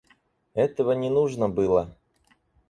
Этого не нужно было.